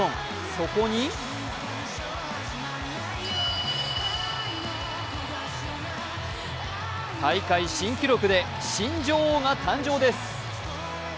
そこに大会新記録で新女王が誕生です。